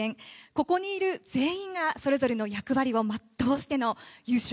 ここにいる全員がそれぞれの役割を全うしての優勝